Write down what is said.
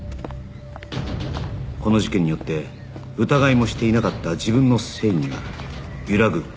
この事件によって疑いもしていなかった自分の正義が揺らぐ事を